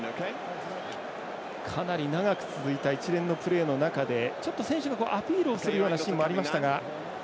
かなり長く続いた一連のプレーの中でちょっと選手がアピールするようなシーンもありましたが。